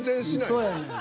うんそうやねん。